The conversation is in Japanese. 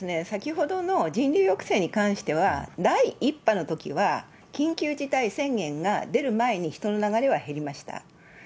先ほどの人流抑制に関しては、第１波のときは、緊急事態宣言が出る前に、人の流れは減りました。